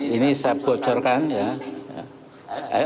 ini saya bocorkan ya